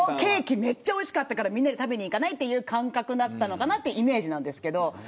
めっちゃおいしかったからみんなで食べに行かないという感覚だったのかなというイメージなんですけど。